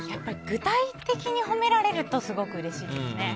具体的に褒められるとすごくうれしいですね。